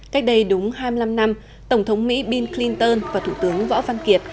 cách đây đúng hai mươi năm năm tổng thống mỹ bill clinton và thủ tướng võ văn kiệt